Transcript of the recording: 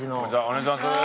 お願いします。